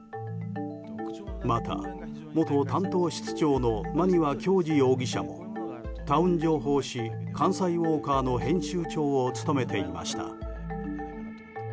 また、元担当室長の馬庭教二容疑者もタウン情報誌「関西ウォーカー」の編集長を務めていました。